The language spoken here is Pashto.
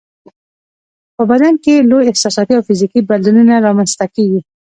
په بدن کې یې لوی احساساتي او فزیکي بدلونونه رامنځته کیږي.